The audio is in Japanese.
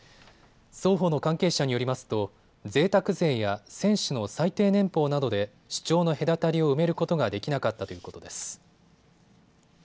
双方の関係者によりますとぜいたく税や選手の最低年俸などで主張の隔たりを埋めることができなかったということです。